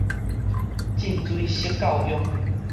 浸水式教育